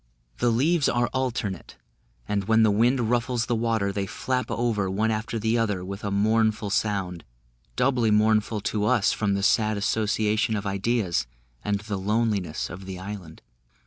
The leaves are alternate, and when the wind ruffles the water, they flap over, one after the other, with a mournful sound, doubly mournful to us from the sad association of ideas, and the loneliness of the island.